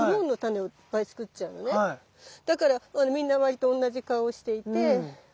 まあ要するにだからみんな割と同じ顔をしていて。